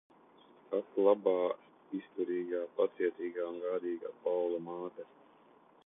Ak labā, izturīga, pacietīga un gādīgā Paula māte!